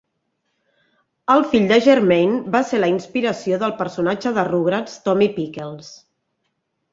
El fill de Germain va ser la inspiració del personatge de "Rugrats" Tommy Pickles.